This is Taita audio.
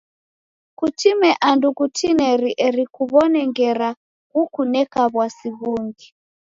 Kutime andu kutineri eri kuw'one ngera ghukuneka w'asi ghungi.